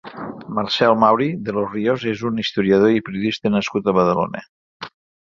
Marcel Mauri de los Rios és un historiador i periodista nascut a Badalona.